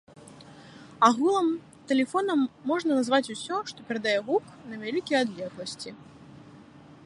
Агулам, тэлефонам можна назваць усё, што перадае гук на вялікія адлегласці.